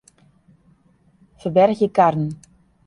Ferbergje karren.